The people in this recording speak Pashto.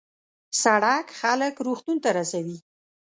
سړک خلک روغتون ته رسوي.